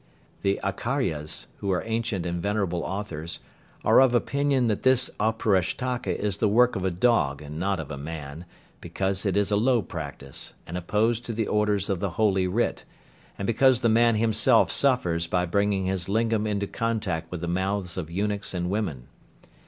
The Acharyas (i.e., ancient and venerable authors) are of opinion that this Auparishtaka is the work of a dog and not of a man, because it is a low practice, and opposed to the orders of the Holy Writ, and because the man himself suffers by bringing his lingam into contact with the mouths of eunuchs and women.